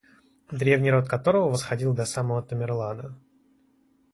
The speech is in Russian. древний род которого восходил до самого Тамерлана.